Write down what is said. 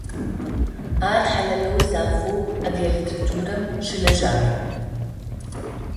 Ар хьалэлэу, зафэу адыгэ литературэм щылэжьагъ.